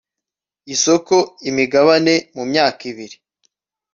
isoko imigabane mu myaka ibiri